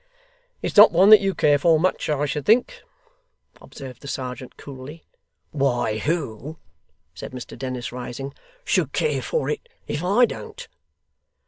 'It's not one that you care for much, I should think,' observed the serjeant coolly. 'Why, who,' said Mr Dennis rising, 'should care for it, if I don't?